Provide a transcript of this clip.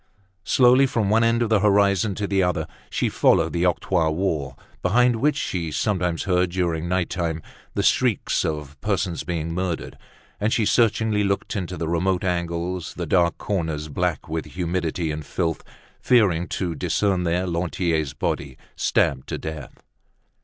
Slowly, from one end of the horizon to the other, she followed the octroi wall, behind which she sometimes heard, during night time, the shrieks of persons being murdered; and she searchingly looked into the remote angles, the dark corners, black with humidity and filth, fearing to discern there Lantier's body, stabbed to death.